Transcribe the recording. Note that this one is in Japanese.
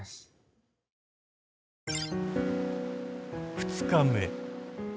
２日目。